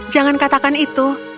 jangan katakan itu